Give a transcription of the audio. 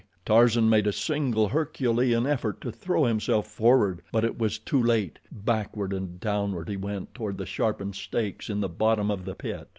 Tarzan made a single Herculean effort to throw himself forward, but it was too late. Backward and downward he went toward the sharpened stakes in the bottom of the pit.